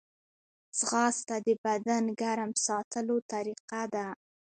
ځغاسته د بدن ګرم ساتلو طریقه ده